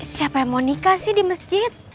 siapa yang mau nikah sih di masjid